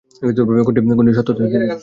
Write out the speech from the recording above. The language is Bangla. কোনটি সত্যি হতে যাচ্ছে দেখি।